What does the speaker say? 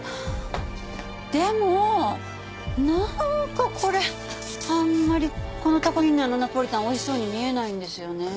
でもなんかこれあんまりこのタコウインナーのナポリタンおいしそうに見えないんですよね。